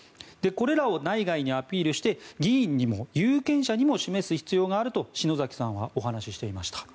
これらを内外にアピールして議員にも有権者にも示す必要があると篠崎さんはお話していました。